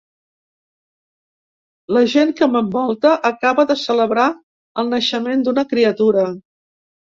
La gent que m'envolta acaba de celebrar el naixement d'una criatura.